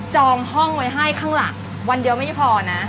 องห้องไว้ให้ข้างหลังวันเดียวไม่พอนะ